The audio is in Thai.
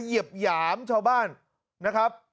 เหยียบหยามชาวบ้านนะครับ